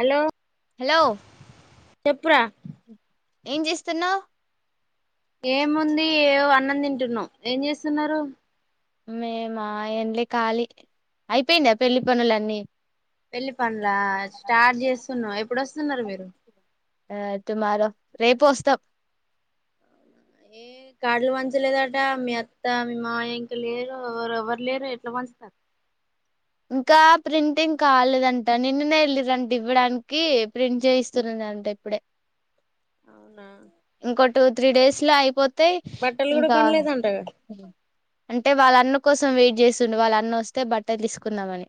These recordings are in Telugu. హలో హలో చెప్పురా ఏం జేస్తున్నావ్ ఏముంది ఏ అన్నం తింటున్నా ఏం జేస్తున్నారు మేమా ఎంలే ఖాళీ అయిపోయింద పెళ్లి పనులన్నీ పెళ్లి పను లా స్టార్ట్ చేస్ వస్తున్నా ఎప్పుడు వస్తున్నారు మీరు ఆ టుమారో రేపు వస్తాం ఏ కాళ్లు పంచలేదట మీ అత్త మీ మాయ ఇంక లేరు ఎవరు ఎవ్వరు లేరు ఎట్లా పంచుతారు ఇంకా ప్రింటింగ్ కాలేదంట నిన్ననే వెళ్ళరంట ఇవ్వడానికి ప్రింట్ చేయిస్తున్నాందంట ఇప్పుడే అవునా ఇంకో టూ త్రీ డేస్ లో అయిపోత అతే బట్టలు కూడా ఇంకా కొనలేదంటగా అంటే వాళ్ళన్న కోసం వెయిట్ చేస్తుండే వాళ్ళు అన్న వస్తే బట్టలు తీసుకు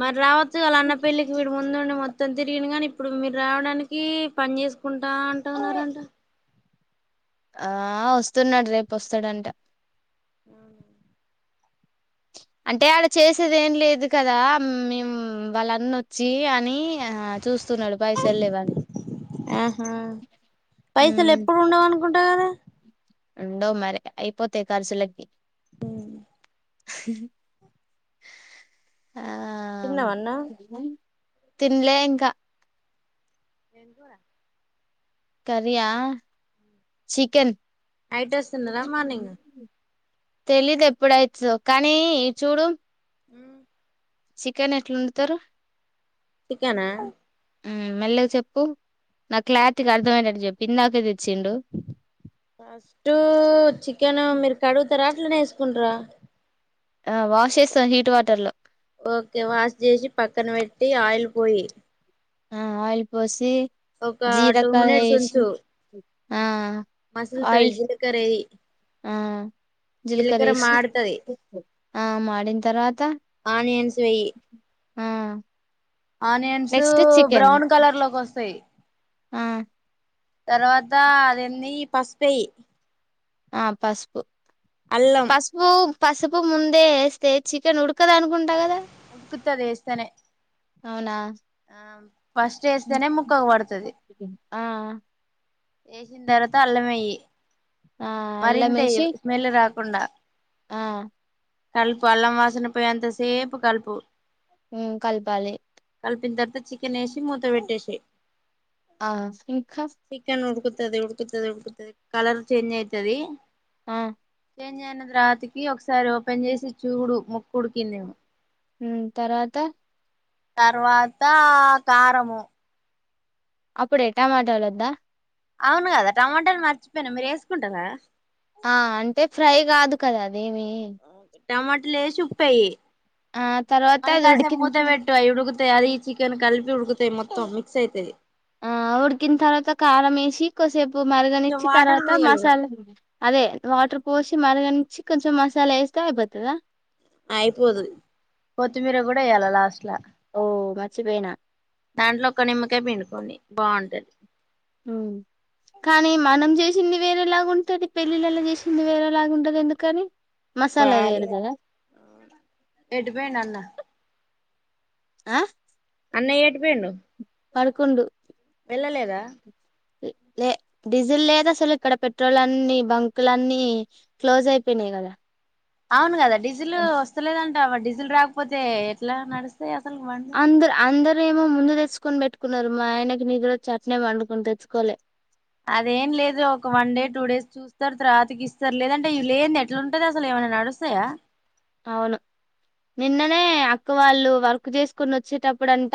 మరి రావచ్చు అ అన్న పెళ్లికి వీడి ముందుండి మొత్తం మొత్తం తిరియను గానీ ఇప్పుడు మీరు రావడానికి పని చేసుకుంటా అంటాన్నారంట ఆ వస్తున్నాడు రేపు వస్తాడంట అ అంటే అడ చేసేది ఏం లేదు కదా మేము వాళ్ళన్న వచ్చి అని ఆ చూస్త ఆహా పైసలు ఎప్పుడు ఉండవు అనుకుంటా కదా ఉండో మరి అయిపోతే ఖర్చులకి హ [inaudible] చిన్న వన్నా తిన్లేంగా రజ కరయా చికెన్ ఐడస్నదా మార్నింగ్ తెలీదు ఎప్పుడైతు కానీ చూడు అ చికెన్ ఎట్లా ఉండుతారు చికనా మెల్లగా చెప్పు నాకు క్లారిటీకి అర్థమ్యనట్టు చెప్పి ఇందాకే తెచ్చిండు అస్టు చ ఇ మీరు కడు తరా స్కుంరా ఆ వాష్ చేస్తాం హీట్ వాటర్ లో ఓకే వాష్ చేసి పక్కన పెట్టి ఆయిల్ పోయి ఆ ఆయిల్ పోసి ఒక టూ జీరకాయ మినిట్స్ వేసి ఉంచు ఆ మసులుతది ఆయిల్ జీలకర్ర ఎయ్యి ఆ జీలక్ర జీలకర్ర వేసి మాడుతది ఆ మిన తర్వాత ఆనియన్స్ వెయ్యి ఆ onions next chicken brown colour లోకి వస్తాయి ఆ తర్వాత అదన్నీ పసుపు పే ఆ పసుపు అల్లం పస్బుక్ పసుపు ముందే ఏస్తే చికెన్ ఉడకదనుకుంట కదా ఉడుకుతది ఎస్తేనే అవునా ఆ ఫస్ట్ ఏస్తేనే ముక్కకు పడుతది ఆ ఏసిన తర్వాత అల్లం ఎయ్యి ఆ అల్లం మరింత వేసి స్మెల్ రా కుండా ఆ కల్పు అల్లం వాసన పోయే అంత సేపు కల్పు మ్ కల్పాలి కల్పిన తర్వాత చికెన్ ఏసి మూత పెట్టేసెయి ఆ ఇంకా తది. ఉడుకుతది ఉడుకుతది కలర్ చేంజ్ తది ఆ చేంజ్ అయిన తర్వాతకి ఒకసారి ఓపెన్ చేసి చూడు ఉడికిందేమో మ్ తర్వాత తర్వాతా కరము అప్పుడే టమాటోలు లొద్దా అవును కదా టమాటాల్ మర్చిపోయినా మీర్ ఎస్సుకుంటర్ కదా ఆ అంటే ఫ్రై కాదు కదా అ ఏమి టమాటల్ ఏసి ఉప్పేయి తర్వాత అది మళ్ళకాసేపు ఉడికిన మూత పెట్టు అయి ఉడు తే అది చికెన్ కల్పి ఉడుకుతయి మొత్తం మిక్స్ అయితది. ఆ ఉడ్కిన్ తర్వాత కారం ఏసి కొద్సేప్ కొంచెం మరగనిచ్చి వాటర్ తర్వాత పోయాలి కదా మసాలా అదే వాటర్ పోస్ మరగనిచ్చి కొంచం మసాలా ఎస్తే అయిపోతదా అయిపోదు కొత్తిమీర గుడా ఎయ్యాల లాస్ట్లా మర్చిపోయిన దాంట్లో ఒక్క నిమ్మకాయ్ పిండుకోండి బాగుంటది కానీ మనం చేసింది వేరేలాగుంటది పెళ్ళిళ్ళల చేసింది వేరేలాగుంటది ఎందుకని మసాలా వేరు వాళ్ళకి కదా ఎటు పోయిండు అన్న ఆ అన్నయ ఎటు పోయిండు పడుకుండు వెళ్ళలేదా లే డీజిల్ లేద్ అసలు ఇక్కడ పెట్రోలన్నీ బంకులనన్నీ క్లోజ్ అయిపోయినయి కదా అవును కదా డీజిల్ వస్తలేదన్ రావ డీజిల్ రాకపోతే ఎట్లా నడుస్తాయి అస్ అందర్ అందర్ రేమో ముందు తెచ్చుకొని పెట్టుకున్నారు, మా ఆయనకి నిద్ర వచ్చి అట్నే వండుకున్ తెచ్చుకోలే. అదేం లేదు ఒక వన్ డే టూ డేస్ చూస్తారు, తరువాతకి ఇస్తార్ లేదంటే లేని ది ఎట్లా ఉంటది, అసలు ఏమైనా నడుస్తాయా. అవును నిన్ననే అక్క వాళ్ళు వర్క్ చేసుకుొని వచ్చేటప్పుడు, అంట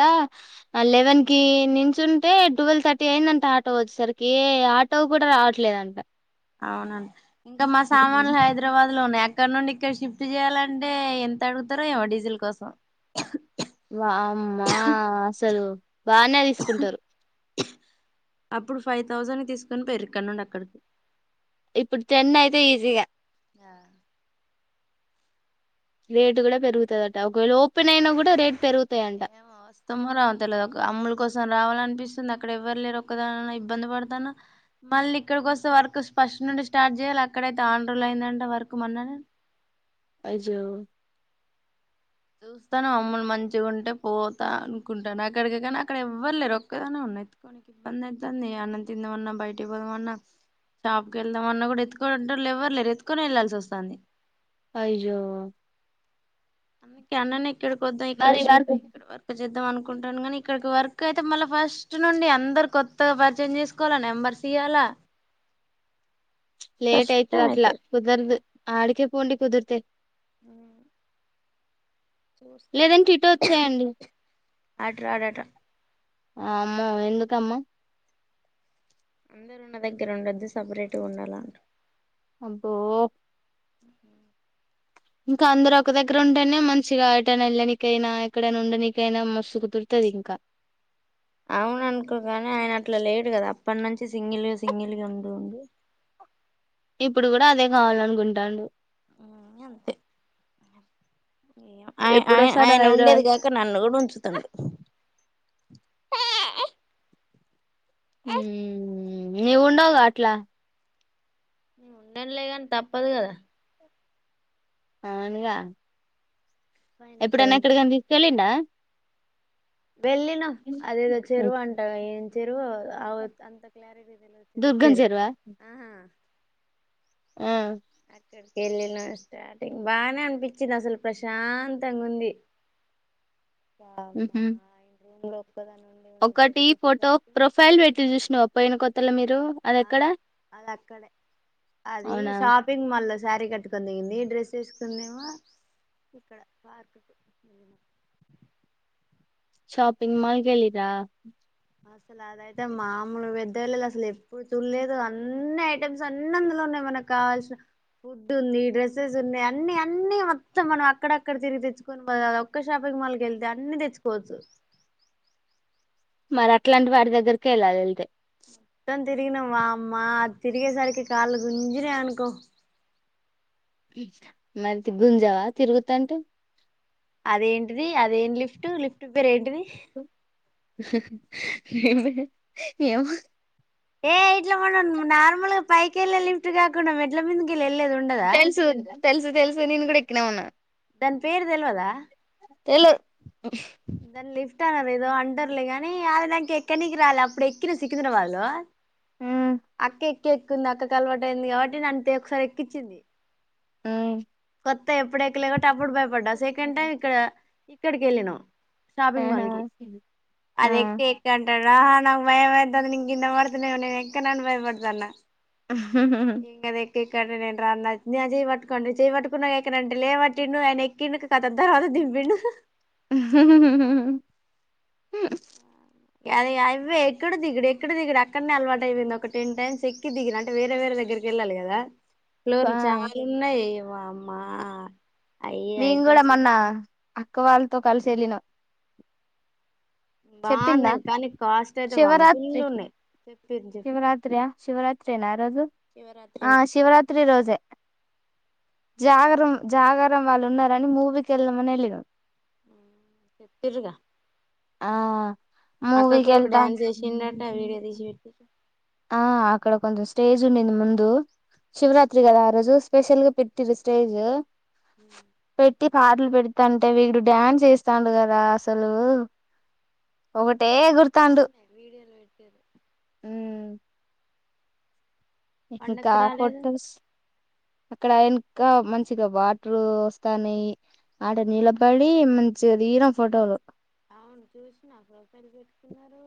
లెవెన్కి నుంచి ఉంటే ట్వెల్వ్ థర్టీ అయిందంట, ఆటో వచ్చేసరికి ఏ ఆటో కూడా రావట్లేదంట. అవునన్ ఇంకా మా సామాన్లు హైదరాబాద్ లో ఉన్నాయి అక్కడ నుండి ఇక్కడ షిఫ్ట్ చేయాలంటే ఎంత అడుగుతారో ఏమో డీజిల్ కోసం ఆ అమ్మా అసలు బానే తీసుకుంటారు అప్పుడు ఫైవ్ థౌజండ్ తీసుకొని పెరుక్క నుండి అక్కడికి ఇప్పుడు టెన్ అయితే ఈజీగా ఆ రేట్ కూడా పెరుగుతుదట ఒకవేళ ఓపెన్ అయినా కూడా రేట్ పెరుగ్ ఏమో వస్తమో రామో తెలదు ఒక అమ్ముల్ కోసం రావాలన్ పిస్తుంది అక్కడ ఎవ్వరు లేరు ఒకదానా ఇబ్బంది పడతాన, మళ్ళీ ఇక్కడికి వస్తే వర్క్ ఫస్ నుండి స్టార్ట్ చేయాలి అక్కడైతే ఆండ్రు అయిందంటడి వర్క్ మన్న నే. అ జో చూస్తానం అమ్మున్ మంచిగా ఉంటే పోతా అనుకుంటాను అక్కడికి కానీ అక్కడ ఎవ్వరులేరు ఒక్కదనే ఉన్నా ఎత్తుకోడానికి ఇబ్బంది అవుతంది, అన్నం తిందామన్నా, బయటకి పోదామన్నా, షాప్కి వెళ్దామన్నా, కూడా ఎత్తుకనింట వాళ్ళు ఎవ్వరులేరు ఎత్తుకొని వెళ్ళాల్సి వస్తాంది. అయ్యో అన్నీ కనానే టడు కొద్దా ఇక్కడే మరి షిఫ్ట్ వర్క్ అయితర్ వర్క్ చేద్దాం అన్ అనుకుంటాను కానీ ఇక్కడికి వర్క్ అయితే మళ్ళీ, ఫస్ట్ నుండి అందరు కొత్తగా పరిచయం చేసుకోవాలా నెంబర్స్ ఇయ్యాలా. లేట్ అయితది అట్లా కుదరదు ఆడికే పోండి కుదుర్తే అ లేదంటే ఇటో వచ్చేయండి ఆటర్ ఆడాట అమ్మో ఎందుకమ్మ అందరు ఉన్న దగ్గర ఉండద్దు సపరేట్గా ఉండాల అంట్ అబ్బో ఇంకా అందరుూ ఒక దగ్గర ఉంటేనే మంచిగా ఎటన వెళ్ళనికైనా ఎక్కడైనా ఉండనికైనా మస్తు కుదురుతది ఇంకా. అవున్ అనుకో గాని ఆయన అట్లా లేట్ లేర్ కదా అప్పటి నుంచి సింగిల్ సింగిల్గా ఉండు ఉండి ఇప్పుడు కూడా అదే కావాలనుకుంటాడు హ్మ్ అంతే ఏమో ఆ ఆ ఎప్పుడొస్తారో ఆయన ఉండేది హైదరాబాద్ కాక నన్ను కూడా ఉంచుతుండు ఆ మ్మ్ నీవ్ ఉండవుగా అట్లా ఉండనులేగాని తప్పదు కదా అవువునగా ఆయన ఎక్కడ ఎప్పుడైనా ఉంటే ఎక్కడికనా నేను తీసుకెళ్ళిడా వెళ్ళిన అదేదో చెరువు అంట ఏం జరువత్ అంత క్లారిటీ చ్చరు దుర్గం సరు చెరువా ఆహా ఆ ఇక్కడికి వెళ్ళినా స్టార్టింగ్ బానే అనిపించింది అసలు ప్రశాంతంగా ఉంది హమ్ వామ్మో మ్ ఆయన రూమ్ లో ఒక్కదాని ఉండి ఉండి ఒకటి బయటకి ఫోటో వచ్చేసరికి ప్రొఫైల్ పెట్టి చూసిన పోయిన కొత్తలా మీరు అది ఎక్కడ అవును అది అక్కడే అది అవునా షాపింగ్ మా మళ్ శారీ కట్టుకున దిగింది డ్రెస్ వేసుకుందమ ఇక్కడ పార్ షాపింగ్ మాల్ గళ్ళరా అసలు అదయితే మామూలు పెద్ద వెళ్ళలు అసలు ఎప్పుడు చూడలేదు అన్ని ఐటమ్స్ అన్ని అందులో ఉన్నాయి మనకు కావాల్సిన ఫుడ్ ఉంది డ్రెస్సెస్ ఉన్నాయి అన్ని అన్ని మొత్తం మనం అక్కడక్కడ తిరిగి తెచ్చుకొని పో ఒక్క షాపింగ్ మాల్కి వెళ్తే అన్ని తెచ్చుకోవచ్చు మరి అట్లాంటి వాడి దగ్గరకే వెళ్ళాలిళ్తే మొత్తం తిగిన వామ్మా అది తిగసరికి కాల గుజిన అనుకో మరిది గుంజావా తిరుగుతుంటే అదేంటిది అదేంటి లిఫ్ట్ లిఫ్ట్ పేర ఏంటిది హమ్ ఏ ఏమ ఏమో ఏ ఇట్లా మన నార్మల్ పైక ఎళ్లాలిఫట్గాకు మెడ్ల బింద ఎ ఇది ఉండదా తెలుసు తెలుసు తెలుసు నేను కూడా ఎక్కిన ఉన్నా దాని పేరు తెలియదా తెల దన్ లైఫ్ ట్టాన ఏదో అండర్లేగాని అది నాక ఎక్కనీకి రాలి అప్పుడు ఎక్కిన సికిందన వాళ్ళు ఉమ్ అకే ఎక్క ఎక్కుంది అక్క క అలవాటు అయింది కాబట్టి న అంతే ఒకసారి ఎక్కించిది హమ్ కొత్త ఎప్పుడ ఎక్కలేకట్టి అప్పుడు భయపడ్డావు సెకండ్ టైం ఇక్కడ ఇక్కడికి వెళ్ళ ను షాపింగ్ ఆహా మాల్కి ఆ అదేక ఎంట రా నాక భయ భయంద నిం ఇంద మడుతనవ ఎంకా నను భయపడతాన్నా ఇక్కడ నేను రాన్నా న చేయ పట్టుకోండి చేయి పట్టుకున్నాక ఎక్కనంటే లేమట్టిండు ఆయన ఎక్కింకు కదా తర్వాత దింపిండు అదే అవే ఎక్కడు దిగుడు ఎక్కడు దిగుడు అక్కడనే అలవాటు అయిపోయింది ఒక టెన్ టైమ్స్ ఎక్కి దిగిన అంటే వేరే వేరే దగ్గరికి వెళ్ళాలి కదా ఆ ఫ్లోర్లు చాలా ఉన్నాయి వామ్మా అయి మేము కూడా ఐటమ్స్ మొన్న అక్క వాళ్ళ తో కలిసి వెళ్లిన బాగున్నాయి కానీ కాస్ట్ అయితే వామ్మో ఫుల్ ఉన్నాయి చెప్పిరు చెప్పు శివరాత్రయా శివరాత్రేనా ఆ రోజు ఆ శివరాత్రిని శివరాత్రి రోజే జాగరం జాగారం వాళ్ళు ఉన్నారని మూవీకి వెళ్దామని వెళ్లినాం ఉమ్ చెప్పిరుగ ఆ అక్క మూవీకి కూడా ఇప్పుడు వెళ్తా డ్యాన్స్ చేసిందాంట వీడియో తీసి పెట్టిరు ఆ అక్కడ కొంచెం స్టేజ్ ఉండింది ముందు శివరాత్రి కదా ఆ రోజు స్పెషల్గా పెట్టింది స్టేజ్ ఉమ్ పెట్టి పాటలు పెడతా అంటే వీడు డ్యాన్స్ చేస్తాండు కదా అసలు ఒకటి బాన్నాయి వీడియోలు పెట్టిరు ఉమ్ ఇంకా పండక్కి రాలేదు ఫొటోస్ అక్కడ ఆయన ఇంకా మంచిగా వాటర్ వస్తాన్నయి ఆడ నిలబడి మంచిగా దిగినం ఫోటోలు అవును చూసి నాకు రసలి పెట్టుకున్నారు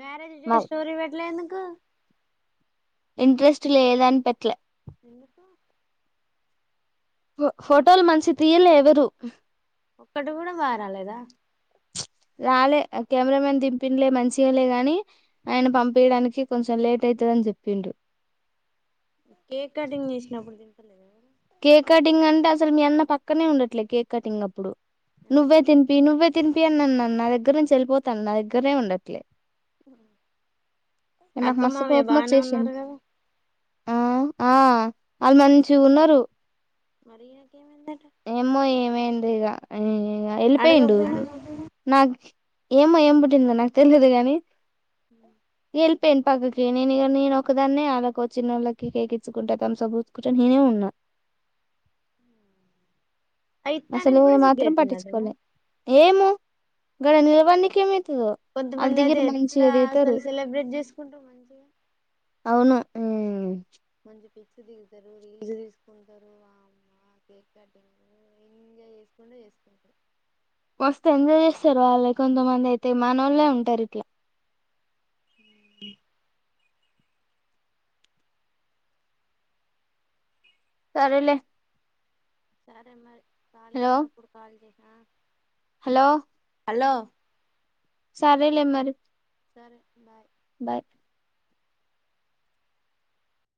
మ్యారేజ్ మా స్టోరీ పెట్లే ఎందుకు ఇంట్రెస్ట్ లేదు అని పెట్లే ఎందుకు ఫో ఫోటోలు మంచి తీయలే ఎవరు ఒక్కటి కూడా మారాలేదా రాలే ఆ కెమెరా మేన్ దింపిండలే మంచిగలే గాని ఆయన పంపియడానికి కొంచెం లేట్ అయితదిని చెప్పిండ్రు కేక్ కటింగ్ చేసినప్పుడు తింటలేదా కేక్ కటింగ్ అంటే అసలు మీ అన్న పక్కనే ఉండట్లే కేక్ కటింగ్ అప్పుడు ఎందుకు నువ్వే తిన్పి నువ్వే తినిపి అన్నన్ను నా దగ్గర నుంచి వెళిపోతాను నా దగ్గరనే ఉండట్లే అత్త నాకు మస్తు మామయ్య కోపం బానే ఉన్నారు వచ్చేసింది కదా ఆ ఆ వాళ్ళు మంచిగ ఉన్నారు మరియాకేమైంది ఏమో ఏ ఏంటిది ఇగ ఎల్లిపోయిండు అడగకపోయినవ్ నాకు ఏమో ఏం పుట్టింద నాకు తెలియదు గాని ఉ పెనపక్కకి నేను ఇ నేను ఒకదాన్నే వాళ్ళకు చిన్నోళ్ళకి కేక్ ఇచ్చుకుంటా తంస పూసుకుంటే నేనే ఉన్నా అయి అసలు ఇత్తానికి కూడా మాత్రం సిగ్గైతుందటనా పట్టించుకోవాలి ఏము గడ నిల్వన్నికిమి కొంతమంది అయితే ఎట్లా అసలు సెలబ్రేట్ చేసుకుంటా మంచిగా ఆ మంచి పిస్ దిగుతారు రీల్స్ తీసుకుంటారుమ్మా కేక్ కటింగ్ ఇంకా చేసుకుంటే చేసుకుంటారు మస్తు ఎంజాయ్ చేస్తారు వాళ్ళు కొంతమంది అయితే మాన వాళ్ళే ఉంటారు ఇట్లా హ సరేలే సరే మరి కాళగా హలో ఉన్నప్పుడు కాళ చే ఆ హలో కల సరేలేమ్ మరి సరే బాయ్ బాయ్